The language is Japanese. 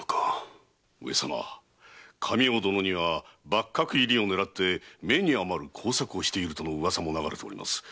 上様神尾殿には幕閣入りを狙って目に余る工作をしているとの噂も流れております。